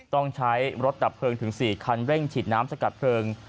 ต้องใช้รถดับเพลิงถึง๔คันเร่งฉีดน้ำสกัดเพลิง